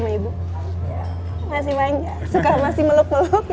masih banyak suka masih meluk meluk